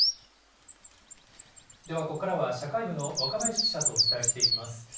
では、ここからは社会部の若林記者とお伝えしていきます。